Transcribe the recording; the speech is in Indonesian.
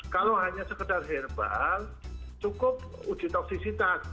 kalau hanya sekedar herbal cukup uji toksisitas